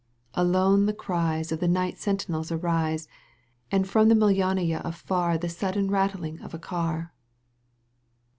Alone the cries Of the night sentinels arise And from the Millionaya afar^^ The sudden rattling of a car.